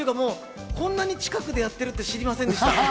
こんなに近くでやってるって知りませんでした。